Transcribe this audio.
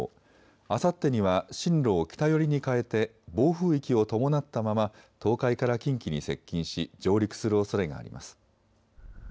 あさってには進路を北寄りに変えて暴風域を伴ったまま東海から近畿に接近し上陸するおそれがあります。